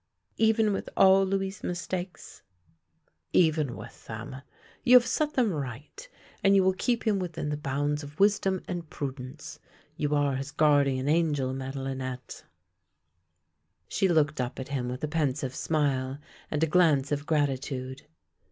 " Even with all Louis' mistakes? "" Even with them. You have set them right, and you will keep him within the bounds of wis dom and prudence. You are his guardian angel, Madelinette." 46 THE LANE THAT HAD NO TURNING She looked up at him with a pensive smile and a glance of gratitude.